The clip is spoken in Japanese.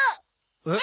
えっ？